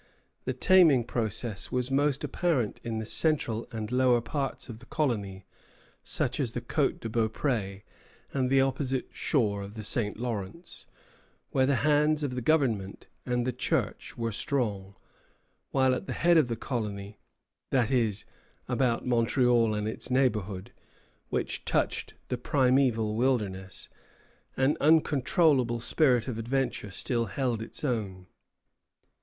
The taming process was most apparent in the central and lower parts of the colony, such as the Côte de Beaupré and the opposite shore of the St. Lawrence, where the hands of the government and of the Church were strong; while at the head of the colony, that is, about Montreal and its neighborhood, which touched the primeval wilderness, an uncontrollable spirit of adventure still held its own.